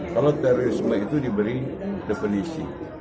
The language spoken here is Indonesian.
kalau terorisme itu diberi definisi